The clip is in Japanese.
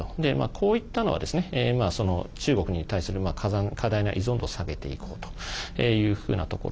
こういったのは中国に対する過大な依存度を下げていこうというふうなところ。